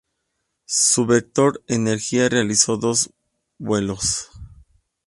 Su vector Energía realizó dos vuelos.